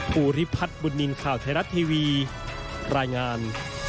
ภูริพัฒน์บุญนินทร์ข่าวไทยรัฐทีวีรายงาน